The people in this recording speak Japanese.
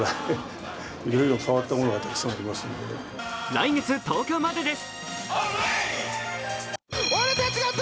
来月１０日までです。